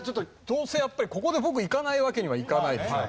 どうせやっぱりここで僕いかないわけにはいかないでしょ。